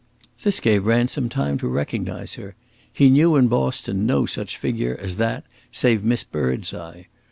This gave Ransom time to recognise her; he knew in Boston no such figure as that save Miss Birdseye.